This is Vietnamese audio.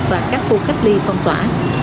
và các khu cách ly phong tỏa